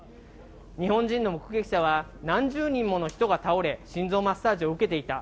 日本人の目撃者は、何十人もの人が倒れ、心臓マッサージを受けていた。